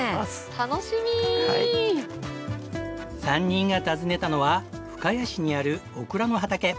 ３人が訪ねたのは深谷市にあるオクラの畑。